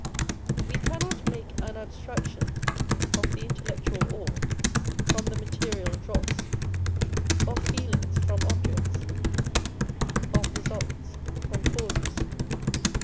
We cannot make an abstraction of the intellectual ore from the material dross, of feelings from objects, of results from causes.